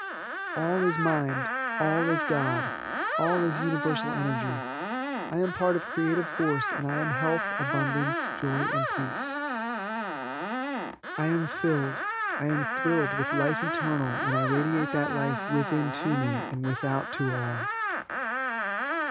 All is mind, all is God, all is universal energy. I am part of creative force and I am health, abundance, joy and peace. I am filled, I am thrilled with Life Eternal and I radiate that life within to me and without to all.